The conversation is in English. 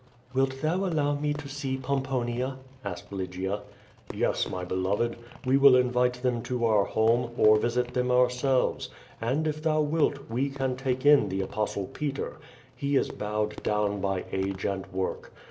"Wilt thou allow me to see Pomponia?" asked Lygia. "Yes, my beloved. We will invite them to our home, or visit them ourselves. And if thou wilt, we can take in the Apostle Peter. He is bowed down by age and work.